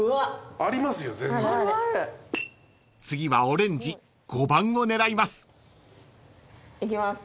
［次はオレンジ５番を狙います］いきます。